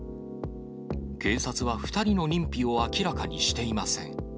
警察は２人の認否を明らかにしていません。